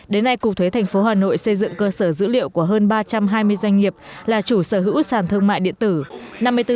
đến nay cục thuế tp hà nội xây dựng cơ sở dữ liệu của hơn ba trăm hai mươi doanh nghiệp là chủ sở hữu sản thương mại điện tử